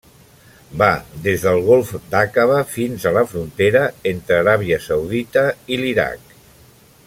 Va des del golf d'Aqaba fins a la frontera entre Aràbia Saudita i l'Iraq.